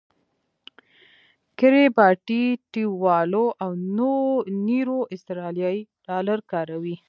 کیریباټی، ټیوالو او نیرو اسټرالیایي ډالر کاروي.